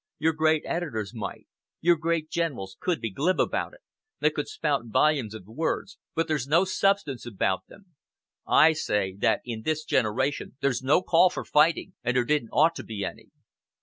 Your great editors might. Your great Generals could be glib about it. They could spout volumes of words, but there's no substance about them. I say that in this generation there's no call for fighting, and there didn't ought to be any."